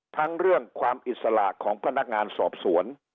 เรื่องความอิสระของพนักงานสอบสวน